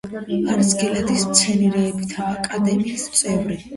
არის გელათის მეცნიერებათა აკადემიის წევრი.